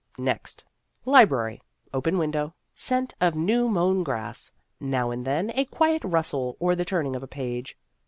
Next. Library open window scent of new mown grass. Now and then a quiet rustle or the turning of a page.